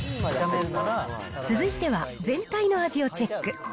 続いては、全体の味をチェック。